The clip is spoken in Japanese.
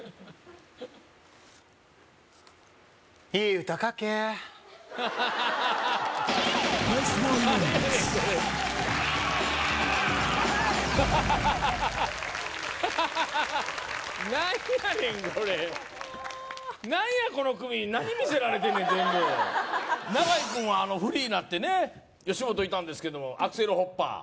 いい歌書け何やねんこれ何やこの組何見せられてんねん全部永井君はフリーになってね吉本いたんですけどもアクセルホッパー